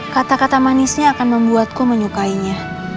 kata kata manisnya akan membuatku menyukainya